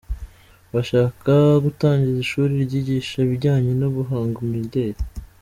Bashaka gutangiza ishuri ryigisha ibijyanye no guhanga imideri